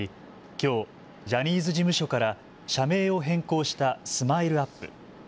きょう、ジャニーズ事務所から社名を変更したＳＭＩＬＥ−ＵＰ．。